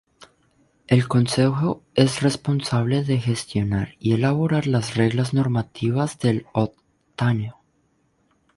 El consejo es responsable de gestionar y elaborar las reglas normativas del occitano.